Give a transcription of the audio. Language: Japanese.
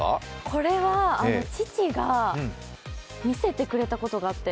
これは父が見せてくれたことがあって。